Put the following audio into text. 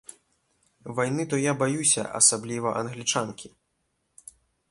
Вайны то я баюся, асабліва англічанкі.